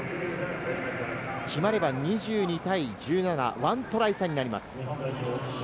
現在１９対１７、決まれば２２対１７、１トライ差になります。